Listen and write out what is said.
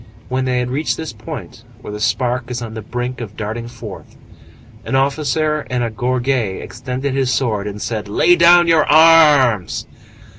When they had reached this point where the spark is on the brink of darting forth, an officer in a gorget extended his sword and said:— "Lay down your arms!"